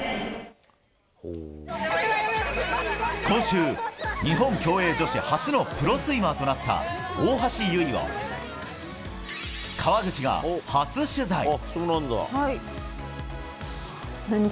今週、日本競泳女子初のプロスイマーとなった大橋悠依を川口が初取材！